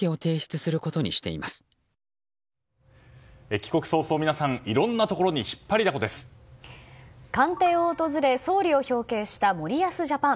帰国早々皆さん、いろんなところに官邸を訪れ総理を表敬した森保ジャパン。